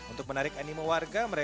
untuk menarik animo warga